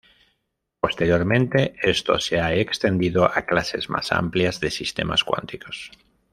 Posteriormente, esto se ha extendido a clases más amplias de sistemas cuánticos.